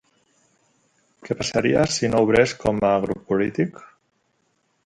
Què passaria si no obrés com a grup polític?